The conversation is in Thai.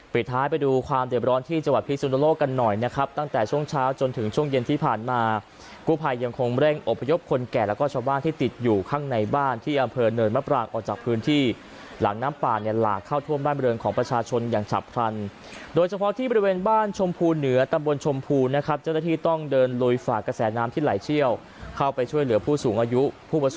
ปริศนาปริศนาปริศนาปริศนาปริศนาปริศนาปริศนาปริศนาปริศนาปริศนาปริศนาปริศนาปริศนาปริศนาปริศนาปริศนาปริศนาปริศนาปริศนาปริศนาปริศนาปริศนาปริศนาปริศนาปริศนาปริศนาปริศนาปริศ